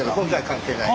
関係ない。